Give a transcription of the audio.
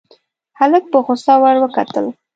هلک په غوسه ور وکتل.